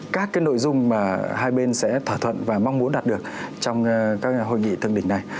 các nội dung mà hai bên sẽ thỏa thuận và mong muốn đạt được trong các hội nghị thượng đỉnh này